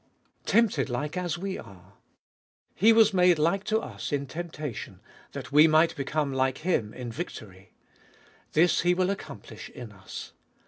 3. Tempted like as we are. He was made like to us in temptation, that we might become like Him in victory. This He will accomplish in us.